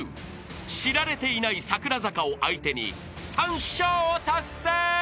［知られていない櫻坂を相手に３笑を達成］